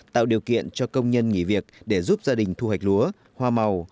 tạo điều kiện cho công nhân nghỉ việc để giúp gia đình thu hoạch lúa hoa màu